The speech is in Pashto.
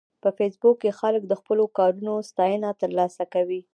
په فېسبوک کې خلک د خپلو کارونو ستاینه ترلاسه کوي